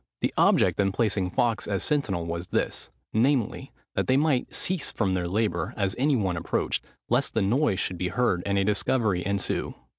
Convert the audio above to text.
The object in placing Fawkes as sentinel was this, namely, that they might cease from their labour as any one approached, lest the noise should be heard and a discovery ensue.